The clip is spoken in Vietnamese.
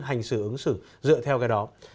hành xử ứng xử dựa theo cái đó